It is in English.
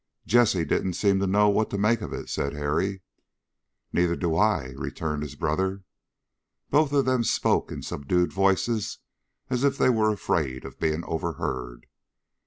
"Jessie didn't seem to know what to make of it," said Harry. "Neither do I," returned his brother. Both of them spoke in subdued voices as if they were afraid of being overheard.